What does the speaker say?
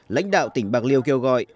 lãnh đạo tỉnh bạc liêu kêu gọi